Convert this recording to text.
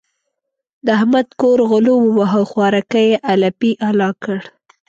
د احمد کور غلو وواهه؛ خوراکی يې الپی الا کړ.